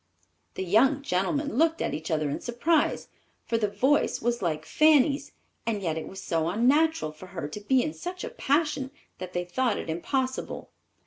The young gentlemen looked at each other in surprise, for the voice was like Fanny's, and yet it was so unnatural for her to be in such a passion that they thought it impossible.